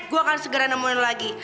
gue akan segera nemuin lagi